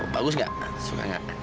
bagus gak suka gak